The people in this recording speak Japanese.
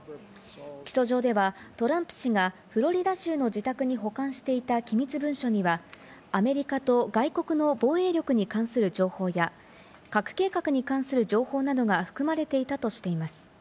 起訴状では、トランプ氏がフロリダ州の機密文書にはアメリカと外国の防衛力に関する情報や核計画に関する情報などが含まれていたとしています。